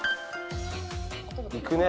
いくね。